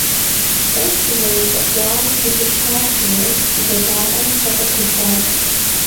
Сэ сызэрещӀэкъуауэм гу лъыптащ уэ: си лъэдакъэм шэ къытехуащ.